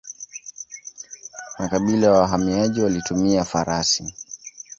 Makabila ya wahamiaji walitumia farasi.